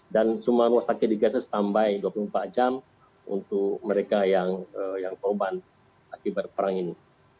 dan rumah sakit di gaza selama dua puluh empat jam untuk mereka yang korban akibat perang ini